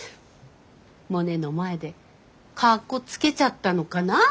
モネの前でかっこつけちゃったのかな？